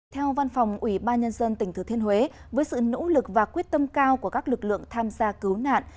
theo văn phòng ủy ban nhân dân tỉnh thừa thiên huế với sự nỗ lực và quyết tâm cao của các lực lượng tham gia cứu nạn